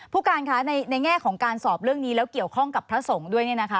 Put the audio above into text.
ผู้การคะในแง่ของการสอบเรื่องนี้แล้วเกี่ยวข้องกับพระสงฆ์ด้วยเนี่ยนะคะ